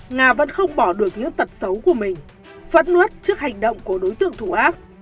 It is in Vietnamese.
nga vẫn không bỏ được những tật xấu của mình phẫn nuốt trước hành động của đối tượng thủ ác